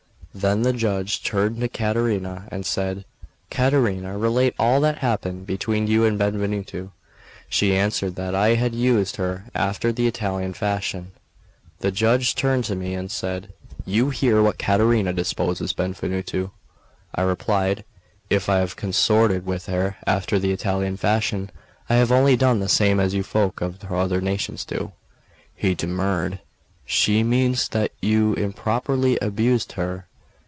Then the judge turned to Caterina, and said: "Caterina, relate all that happened between you and Benvenuto." She answered that I had used her after the Italian fashion. The judge turned to me and said: "You hear what Caterina deposes, Benvenuto." I replied: "If I have consorted with her after the Italian fashion, I have only done the same as you folk of other nations do." He demurred: "She means that you improperly abused her."